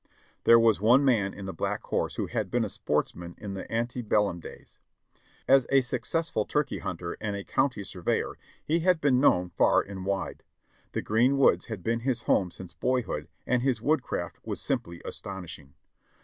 There was one man in the Black Horse who had been a sports man in the ante bellum days. As a successful turkey hunter and a county surveyor he had been known far and wide; the green woods had been his home since boyhood and his woodcraft was simply astonishing.